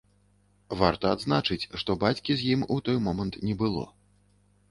Варта адзначыць, што бацькі з ім у той момант не было.